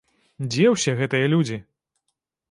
Дзе ўсе гэтыя людзі?